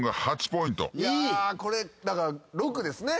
これだから６ですね。